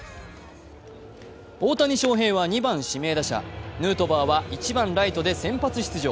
大谷翔平は２番・指名打者ヌートバーは１番・ライトで先発出場。